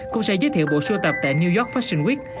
cùng sẽ giới thiệu bộ sưu tập tại new york fashion week